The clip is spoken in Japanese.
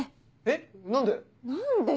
えっ何で？